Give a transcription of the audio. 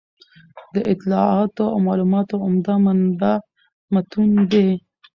د اطلاعاتو او معلوماتو عمده منبع متون دي.